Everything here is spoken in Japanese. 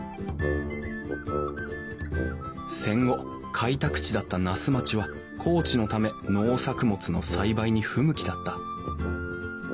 戦後開拓地だった那須町は高地のため農作物の栽培に不向きだった。